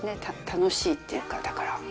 楽しいっていうか、だから。